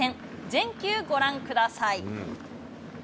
全球ご覧ください。